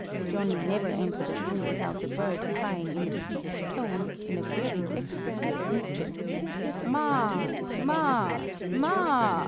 Johnny never entered the room without the bird crying in a peevish tone, in a very ecstacy of mischief: "Ma, ma, ma a a!"